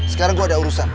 sekarang gue ada urusan ya